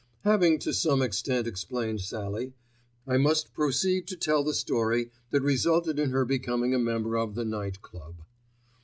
Having to some extent explained Sallie, I must proceed to tell the story that resulted in her becoming a member of the Night Club.